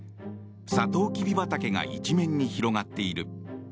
サトウキビ畑が一面に広がっている。